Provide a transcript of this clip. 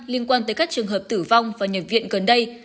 liên quan tới các trường hợp tử vong và nhập viện gần đây